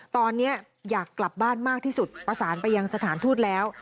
ตอนนี้อยากกลับบ้านมากที่สุดประสานไปยังสถานทูตแล้ว